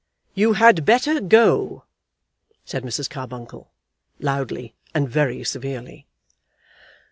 "You had better go," said Mrs. Carbuncle, loudly and very severely.